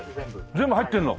全部入ってんの？